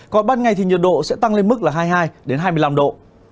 còn ban ngày thì nhiệt độ sẽ tăng lên mức là hai mươi hai hai mươi năm độ